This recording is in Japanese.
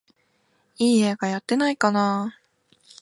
いい映画やってないかなあ